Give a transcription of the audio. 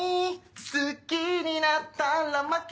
好きになったら負け？